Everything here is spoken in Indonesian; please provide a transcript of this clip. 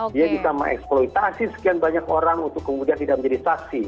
dia bisa mengeksploitasi sekian banyak orang untuk kemudian tidak menjadi saksi